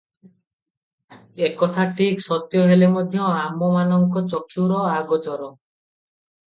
ଏ କଥା ଠିକ୍ ସତ୍ୟ ହେଲେ ମଧ୍ୟ ଆମମାନଙ୍କ ଚକ୍ଷୁର ଅଗୋଚର ।